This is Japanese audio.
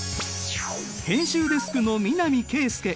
編集デスクの南圭介。